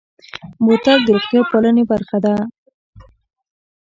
بوتل د روغتیا پالنې برخه ده.